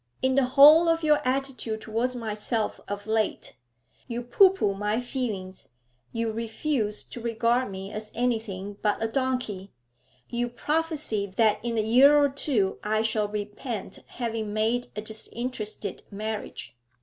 'In the whole of your attitude towards myself of late. You pooh pooh my feelings, you refuse to regard me as anything but a donkey, you prophesy that in a year or two I shall repent having made a disinterested marriage.